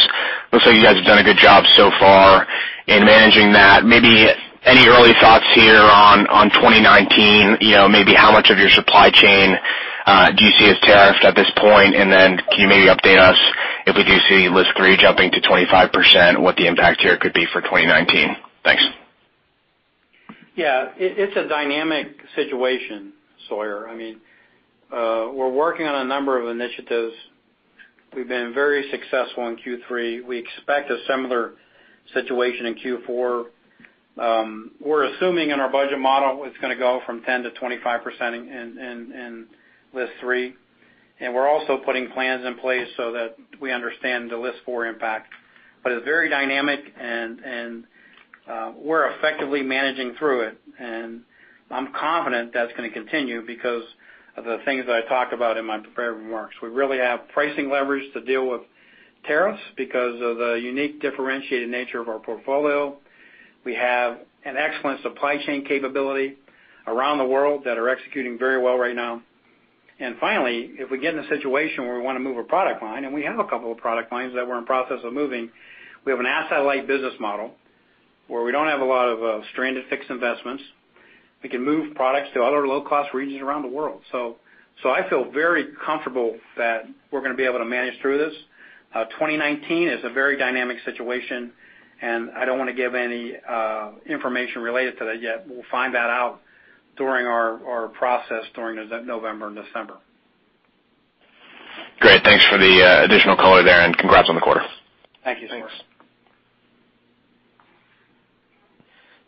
Looks like you guys have done a good job so far in managing that. Maybe any early thoughts here on 2019, maybe how much of your supply chain do you see as tariffed at this point? Then can you maybe update us if we do see List 3 jumping to 25%, what the impact here could be for 2019? Thanks.
Yeah. It's a dynamic situation, Sawyer. We're working on a number of initiatives. We've been very successful in Q3. We expect a similar situation in Q4. We're assuming in our budget model it's going to go from 10 to 25% in List 3, and we're also putting plans in place so that we understand the List 4 impact. It's very dynamic, and we're effectively managing through it, and I'm confident that's going to continue because of the things that I talked about in my prepared remarks. We really have pricing leverage to deal with tariffs because of the unique differentiated nature of our portfolio. We have an excellent supply chain capability around the world that are executing very well right now. Finally, if we get in a situation where we want to move a product line, we have a couple of product lines that we're in the process of moving, we have an asset-light business model where we don't have a lot of stranded fixed investments. We can move products to other low-cost regions around the world. I feel very comfortable that we're going to be able to manage through this. 2019 is a very dynamic situation, I don't want to give any information related to that yet. We'll find that out during our process during November and December.
Great. Thanks for the additional color there, congrats on the quarter.
Thank you, sir.
Thanks.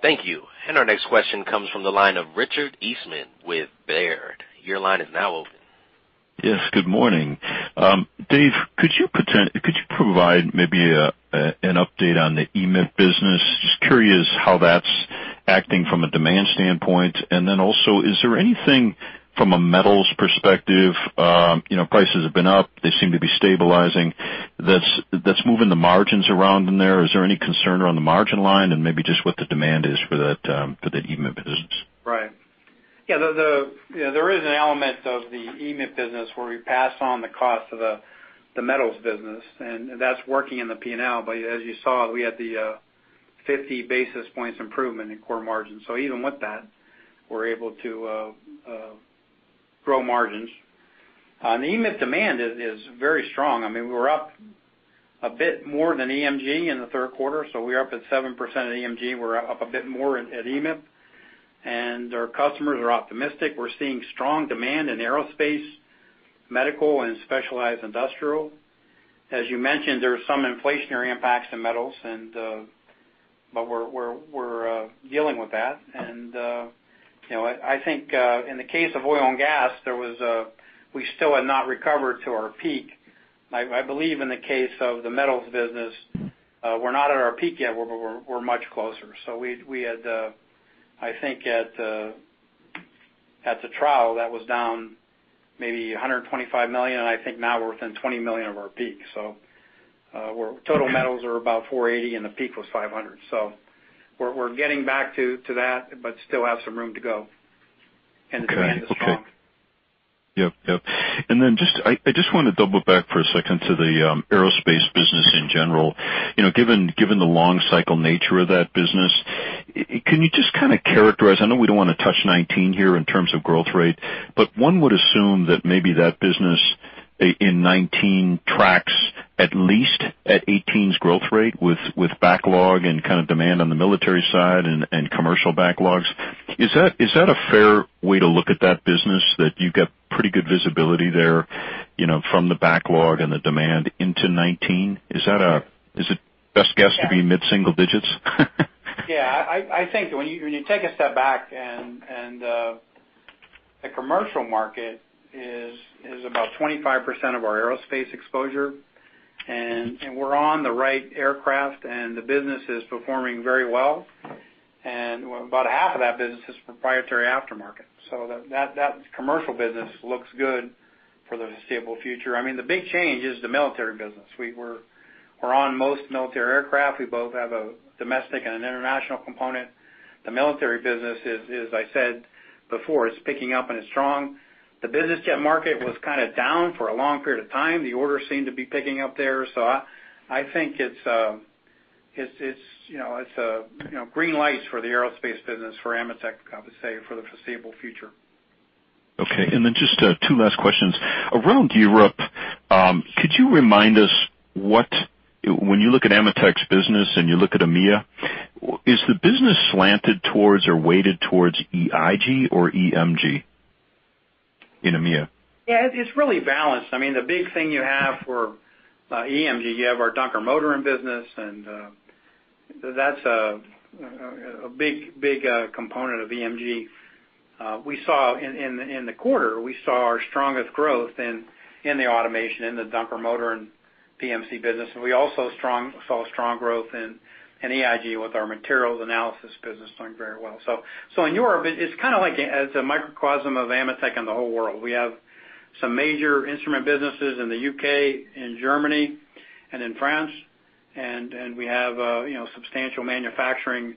Thank you. Our next question comes from the line of Richard Eastman with Baird. Your line is now open.
Yes, good morning. Dave, could you provide maybe an update on the EIG business? Just curious how that's acting from a demand standpoint. Also, is there anything from a metals perspective, prices have been up, they seem to be stabilizing, that's moving the margins around in there? Is there any concern around the margin line and maybe just what the demand is for that EIG business?
Right. Yeah, there is an element of the EIG business where we pass on the cost of the metals business, and that's working in the P&L. As you saw, we had the 50 basis points improvement in core margin. Even with that, we're able to grow margins. EIG demand is very strong. We're up a bit more than EMG in the third quarter, so we're up at 7% at EMG. We're up a bit more at EIG, and our customers are optimistic. We're seeing strong demand in aerospace, medical, and specialized industrial. As you mentioned, there are some inflationary impacts to metals, but we're dealing with that. I think, in the case of oil and gas, we still have not recovered to our peak. I believe in the case of the metals business, we're not at our peak yet, but we're much closer. We had, I think, at the trough, that was down maybe $125 million, and I think now we're within $20 million of our peak. Total metals are about $480 million, and the peak was $500 million. We're getting back to that, but still have some room to go, demand is strong.
Okay. Yep. I just want to double back for a second to the aerospace business in general. Given the long cycle nature of that business, can you just kind of characterize, I know we don't want to touch 2019 here in terms of growth rate, but one would assume that maybe that business in 2019 tracks at least at 2018's growth rate with backlog and kind of demand on the military side and commercial backlogs. Is that a fair way to look at that business, that you get pretty good visibility there from the backlog and the demand into 2019? Is it best guess to be mid-single digits?
Yeah. I think when you take a step back, the commercial market is about 25% of our aerospace exposure, and we're on the right aircraft, and the business is performing very well. About a half of that business is proprietary aftermarket. That commercial business looks good for the foreseeable future. The big change is the military business. We're on most military aircraft. We both have a domestic and an international component. The military business, as I said before, is picking up and is strong. The business jet market was kind of down for a long period of time. The orders seem to be picking up there. I think it's green lights for the aerospace business for AMETEK, I would say, for the foreseeable future.
Okay, just two last questions. Around Europe, could you remind us what, when you look at AMETEK's business and you look at EMEA, is the business slanted towards or weighted towards EIG or EMG in EMEA?
Yeah, it's really balanced. The big thing you have for EMG, you have our Dunkermotoren business, and that's a big component of EMG. In the quarter, we saw our strongest growth in the automation, in the Dunkermotoren PMC business, and we also saw strong growth in EIG with our materials analysis business doing very well. In Europe, it's kind of like it's a microcosm of AMETEK in the whole world. We have some major instrument businesses in the U.K., in Germany, and in France, and we have substantial manufacturing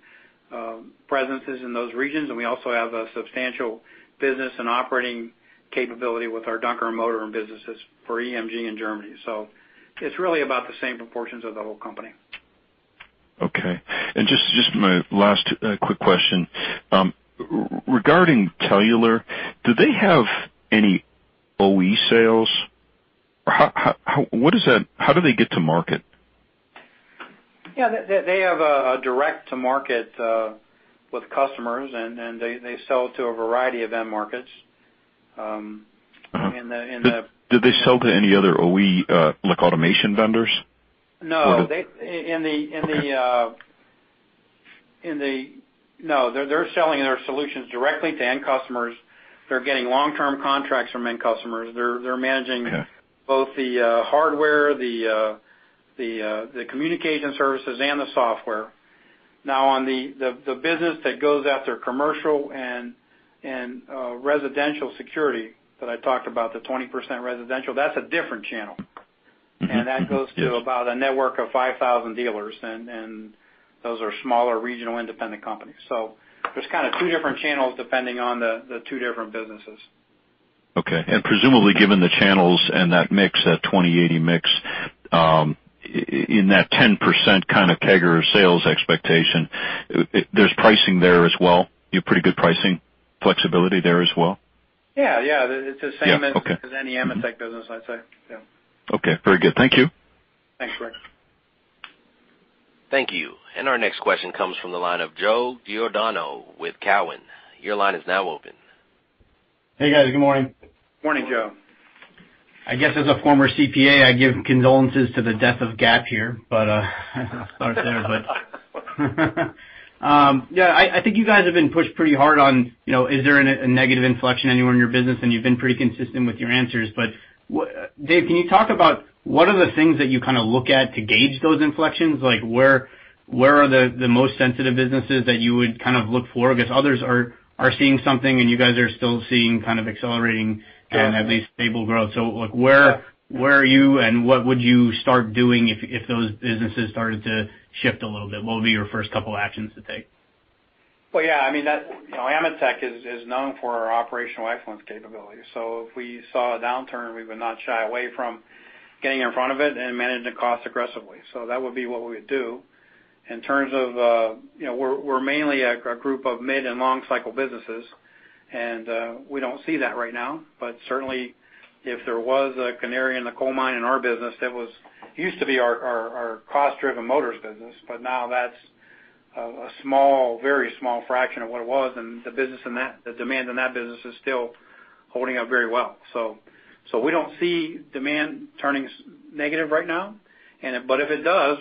presences in those regions, and we also have a substantial business and operating capability with our Dunkermotoren businesses for EMG in Germany. It's really about the same proportions of the whole company.
Okay. Just my last quick question. Regarding Telular, do they have any OE sales? How do they get to market?
Yeah. They have a direct-to-market with customers, and they sell to a variety of end markets. In the.
Do they sell to any other OE automation vendors?
No. Okay. No. They're selling their solutions directly to end customers. They're getting long-term contracts from end customers.
Okay
both the hardware, the communication services, and the software. On the business that goes after commercial and residential security that I talked about, the 20% residential, that's a different channel. That goes to about a network of 5,000 dealers, and those are smaller regional independent companies. There's kind of two different channels depending on the two different businesses.
Okay. Presumably, given the channels and that mix, that 20/80 mix, in that 10% kind of CAGR sales expectation, there's pricing there as well? You have pretty good pricing flexibility there as well?
Yeah. It's the same as- Yeah. Okay. any AMETEK business, I'd say. Yeah.
Okay. Very good. Thank you.
Thanks, Rick.
Thank you. Our next question comes from the line of Joe Giordano with Cowen. Your line is now open.
Hey, guys. Good morning.
Morning, Joe.
I guess as a former CPA, I give condolences to the death of GAAP here. I'll start there. Yeah, I think you guys have been pushed pretty hard on, is there a negative inflection anywhere in your business, and you've been pretty consistent with your answers. Dave, can you talk about what are the things that you kind of look at to gauge those inflections? Where are the most sensitive businesses that you would kind of look for? I guess others are seeing something, and you guys are still seeing kind of accelerating and at least stable growth. Where are you and what would you start doing if those businesses started to shift a little bit? What would be your first couple actions to take?
Yeah. AMETEK is known for our operational excellence capabilities. If we saw a downturn, we would not shy away from getting in front of it and managing cost aggressively. That would be what we would do. In terms of, we're mainly a group of mid and long cycle businesses, we don't see that right now. Certainly if there was a canary in the coal mine in our business, that was used to be our cost-driven motors business. Now that's a very small fraction of what it was, and the demand in that business is still holding up very well. We don't see demand turning negative right now. If it does,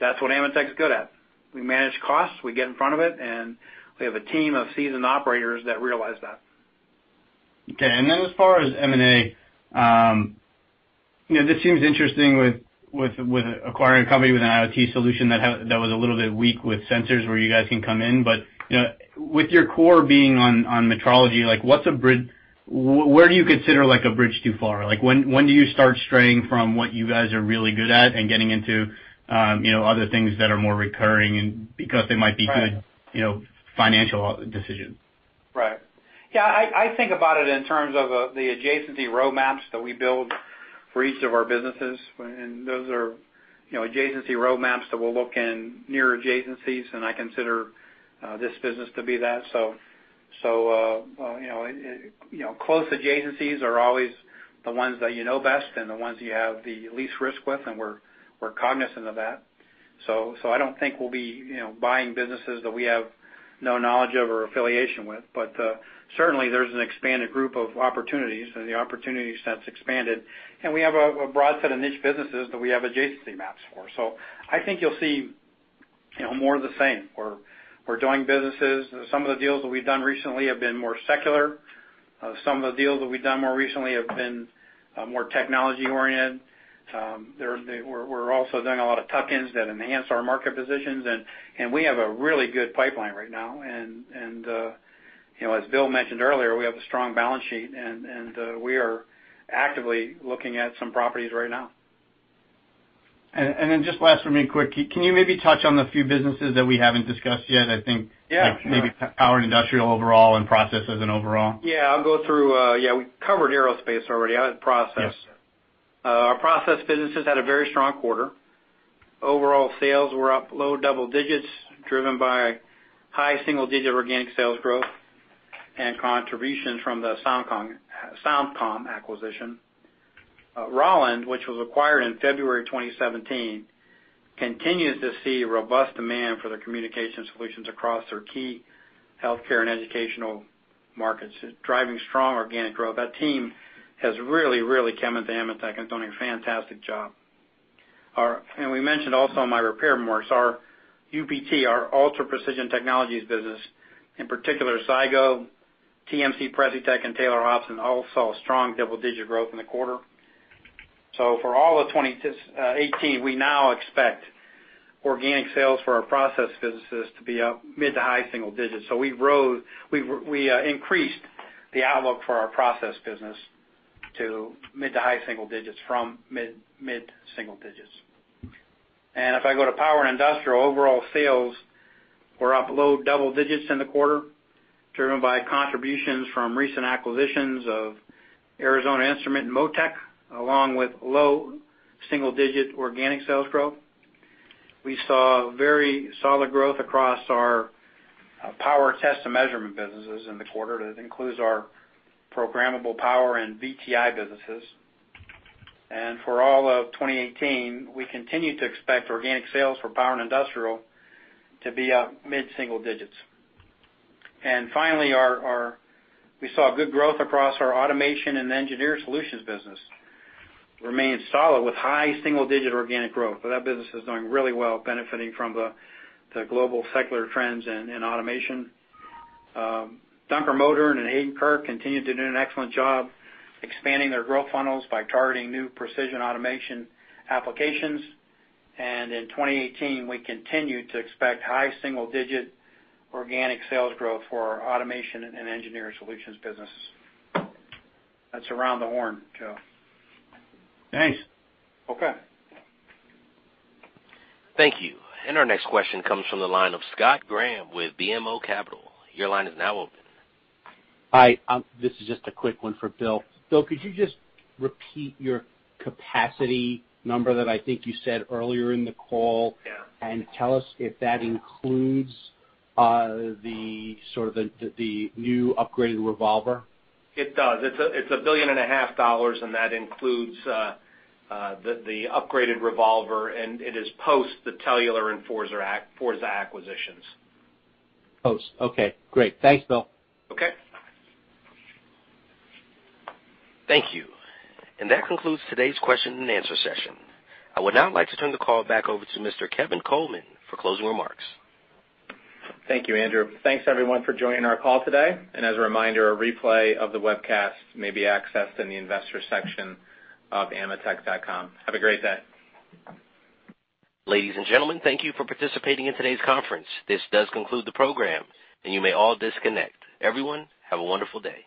that's what AMETEK's good at. We manage costs, we get in front of it, and we have a team of seasoned operators that realize that.
Okay. As far as M&A, this seems interesting with acquiring a company with an IoT solution that was a little bit weak with sensors where you guys can come in. With your core being on metrology, where do you consider a bridge too far? When do you start straying from what you guys are really good at and getting into other things that are more recurring and because they might be good financial decisions?
Right. Yeah, I think about it in terms of the adjacency roadmaps that we build for each of our businesses. Those are adjacency roadmaps that we'll look in near adjacencies, and I consider this business to be that. Close adjacencies are always the ones that you know best and the ones you have the least risk with, and we're cognizant of that. I don't think we'll be buying businesses that we have no knowledge of or affiliation with. Certainly there's an expanded group of opportunities, and the opportunity set's expanded, and we have a broad set of niche businesses that we have adjacency maps for. I think you'll see more of the same. We're doing businesses. Some of the deals that we've done recently have been more secular. Some of the deals that we've done more recently have been more technology oriented. We're also doing a lot of tuck-ins that enhance our market positions, we have a really good pipeline right now, as Bill mentioned earlier, we have a strong balance sheet, and we are actively looking at some properties right now.
Just last from me, quick. Can you maybe touch on the few businesses that we haven't discussed yet?
Yeah, sure.
Maybe power and industrial overall and processes and overall.
Yeah, I'll go through. We covered aerospace already. Process.
Yes.
Our process business has had a very strong quarter. Overall sales were up low double digits, driven by high single digit organic sales growth and contributions from the SoundCom acquisition. Rauland, which was acquired in February 2017, continues to see robust demand for their communication solutions across their key healthcare and educational markets, driving strong organic growth. That team has really come into AMETEK and done a fantastic job. We mentioned also in my prepared remarks, our UPT, our Ultra Precision Technologies business, in particular, Zygo, TMC, Precitech, and Taylor Hobson all saw strong double digit growth in the quarter. For all of 2018, we now expect organic sales for our process businesses to be up mid to high single digits. We increased the outlook for our process business to mid to high single digits from mid single digits. If I go to power and industrial, overall sales were up low double digits in the quarter, driven by contributions from recent acquisitions of Arizona Instrument and Motec, along with low single digit organic sales growth. We saw very solid growth across our power test and measurement businesses in the quarter. That includes our programmable power and VTI businesses. For all of 2018, we continue to expect organic sales for power and industrial to be up mid single digits. Finally, we saw good growth across our Automation & Engineered Solutions business. Remains solid with high single digit organic growth. That business is doing really well, benefiting from the global secular trends in automation. Dunkermotoren and [inaudible] continue to do an excellent job expanding their growth funnels by targeting new precision automation applications. In 2018, we continue to expect high single digit organic sales growth for our Automation & Engineered Solutions business. That's around the horn, Joe.
Thanks.
Okay.
Thank you. Our next question comes from the line of Scott Graham with BMO Capital. Your line is now open.
Hi. This is just a quick one for Bill. Bill, could you just repeat your capacity number that I think you said earlier in the call?
Yeah.
Tell us if that includes sort of the new upgraded revolver.
It does. It's a billion and a half dollars, and that includes the upgraded revolver, and it is post the Telular and Forza acquisitions.
Post. Okay, great. Thanks, Bill.
Okay.
Thank you. That concludes today's question and answer session. I would now like to turn the call back over to Mr. Kevin Coleman for closing remarks.
Thank you, Andrew. Thanks everyone for joining our call today. As a reminder, a replay of the webcast may be accessed in the investor section of ametek.com. Have a great day.
Ladies and gentlemen, thank you for participating in today's conference. This does conclude the program, and you may all disconnect. Everyone, have a wonderful day.